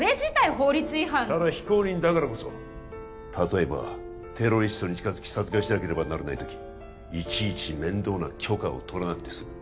法律違反ただ非公認だからこそ例えばテロリストに近づき殺害しなければならない時いちいち面倒な許可を取らなくて済む